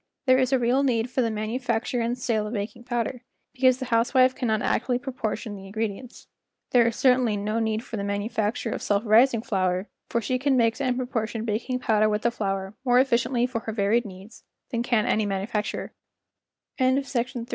There is a real need for the manufacture and sale of baking powder, because the housewife cannot accurately proportion the in¬ gredients. There is certainly no need for the manufacture of self¬ rising flour, for she can mix and proportion baking powder with the flour more efficiently for her varied needs than ca